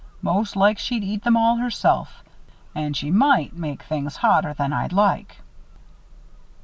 "Most like she'd eat them all herself. An' she might make things hotter than I'd like."